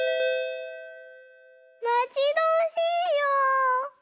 まちどおしいよ！